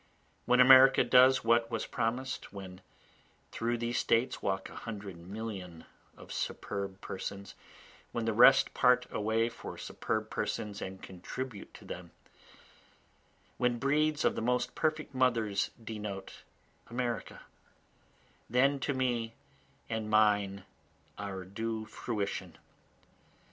When America does what was promis'd, When through these States walk a hundred millions of superb persons, When the rest part away for superb persons and contribute to them, When breeds of the most perfect mothers denote America, Then to me and mine our due fruition.